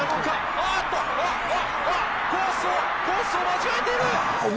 あっと、コースを、コースを間違えている。